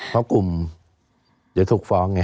เพราะกลุ่มจะถูกฟ้องไง